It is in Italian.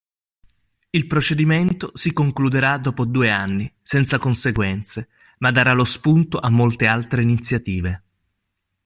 Il procedimento si concluderà dopo due anni, senza conseguenze, ma darà lo spunto a molte altre iniziative.